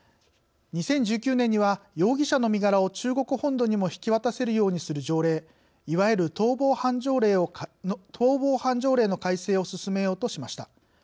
２０１９年には容疑者の身柄を中国本土にも引き渡せるようにする条例いわゆる「逃亡犯条例」の改正を進めようとしました。